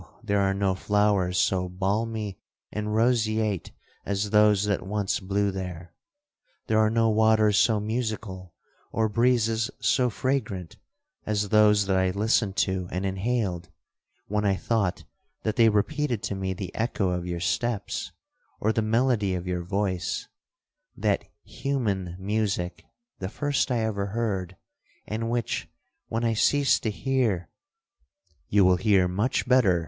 there are no flowers so balmy and roseate as those that once blew there! There are no waters so musical, or breezes so fragrant, as those that I listened to and inhaled, when I thought that they repeated to me the echo of your steps, or the melody of your voice—that human music the first I ever heard, and which, when I cease to hear'—'You will hear much better!'